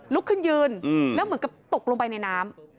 ลุกขึ้นยืนแล้วเหมือนกับตกลงไปในน้ำ